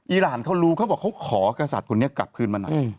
อรานเขารู้เขาบอกเขาขอกษัตริย์คนนี้กลับคืนมาหน่อย